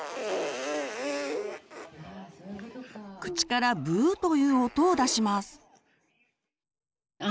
口から「ブー」という音を出します。